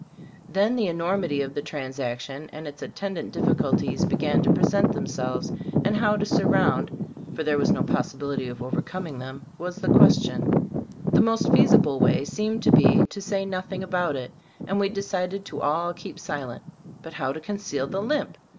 Then the enormity of the transaction and its attendant difficul ties began to present themselves, and Gbe Storg of As Cbtttbood 61 how to surround (for there was no possibility of overcoming them), was the question. The most feasible way seemed to be to say nothing about it, and we de cided to all keep silent; but how to conceal the limp?